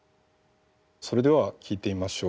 それでは聴いてみましょう。